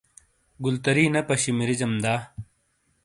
گولتَری نے پَشی مِیریجیم دا۔